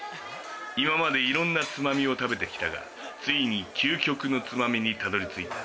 今までいろんなつまみを食べて来たがついに究極のつまみにたどり着いた。